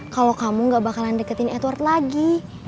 kalau kamu gak bakalan deketin edward lagi